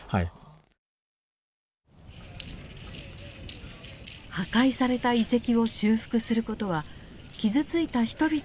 破壊された遺跡を修復することは傷ついた人々の心を復興すること。